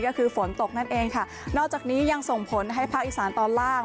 ก็คือฝนตกนั่นเองค่ะนอกจากนี้ยังส่งผลให้ภาคอีสานตอนล่าง